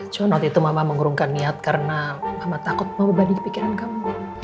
cuma waktu itu mama mengurungkan niat karena mama takut mau berbalik kepikiran kamu